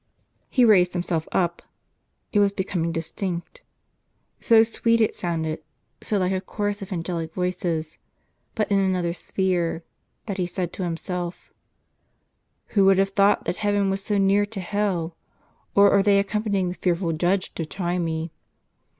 He raised himself up; it was becoming distinct. So sweet it sounded, so like a chorus of angelic voices, but in another sphere, that he said to himself: "Who would have thought that Heaven was so near to hell ! Or are they accompanying the fearful Judge to try me?